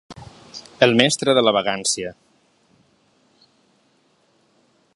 El mestre de la vagància.